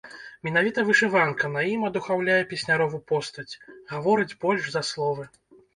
Менавіта вышыванка на ім адухаўляе песнярову постаць, гаворыць больш за словы.